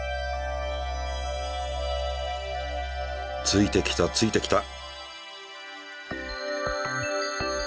ついてきたついてきた。